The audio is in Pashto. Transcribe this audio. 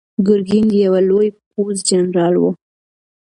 ګرګین د یوه لوی پوځ جنرال و.